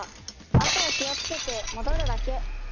あとは気をつけて戻るだけ。